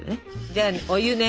じゃあお湯ね。